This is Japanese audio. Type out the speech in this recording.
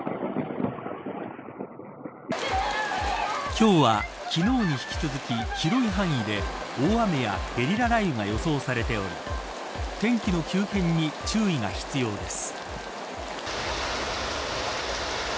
今日は、昨日に引き続き広い範囲で、大雨やゲリラ雷雨が予想されており天気の急変に注意が必要です。